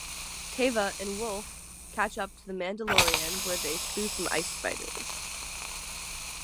Teva and Wolf catch up to the Mandalorian where they slew some ice spiders.